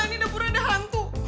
ini dapurnya ada hantu